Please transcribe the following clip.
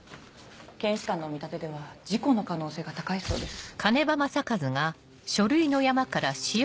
検視官の見立てでは事故の可能性が高いそうです。